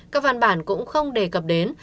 các văn bản cũng không đề cập đến